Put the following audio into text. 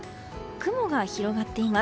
雲が広がっています。